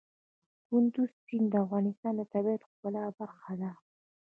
کندز سیند د افغانستان د طبیعت د ښکلا برخه ده.